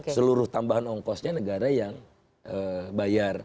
seluruh tambahan ongkosnya negara yang bayar